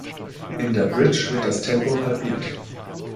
In der Bridge wird das Tempo halbiert.